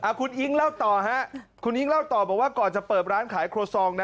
คุณอิ๊งเล่าต่อฮะคุณอิ๊งเล่าต่อบอกว่าก่อนจะเปิดร้านขายครัวซองนะ